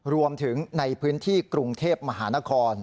รวมถึงในพื้นที่กรุงเทพมหานคร